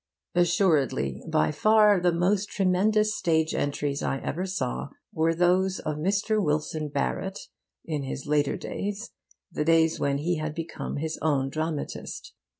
Assuredly, by far the most tremendous stage entries I ever saw were those of Mr. Wilson Barrett in his later days, the days when he had become his own dramatist.